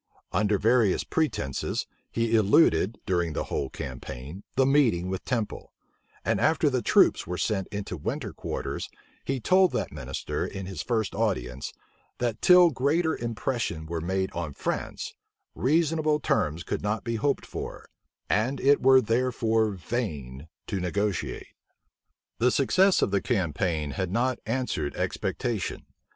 Under various pretences, he eluded, during the whole campaign, the meeting with Temple; and after the troops were sent into winter quarters, he told that minister, in his first audience, that till greater impression were made on France, reasonable terms could not be hoped for; and it were therefore vain to negotiate. The success of the campaign had not answered expectation.